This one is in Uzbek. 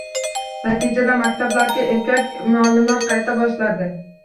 Natijada maktablarga erkak muallimlar qayta boshladi.